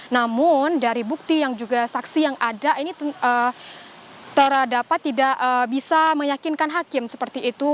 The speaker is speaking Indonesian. namun dari bukti yang juga saksi yang ada ini terdapat tidak bisa meyakinkan hakim seperti itu